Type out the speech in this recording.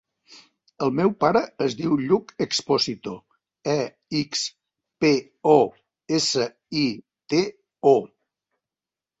El meu pare es diu Lluc Exposito: e, ics, pe, o, essa, i, te, o.